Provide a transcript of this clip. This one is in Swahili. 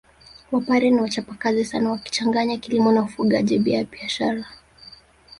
Wapare ni wachapakazi sana wakichanganya kilimo na ufugaji pia biashara